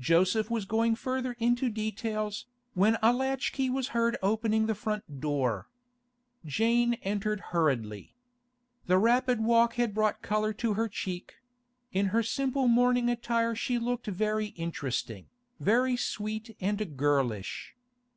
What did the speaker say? Joseph was going further into details, when a latch key was heard opening the front door. Jane entered hurriedly. The rapid walk had brought colour to her check; in her simple mourning attire she looked very interesting, very sweet and girlish.